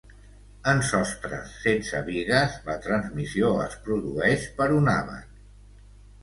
En sostres sense bigues, la transmissió es produeix per un àbac.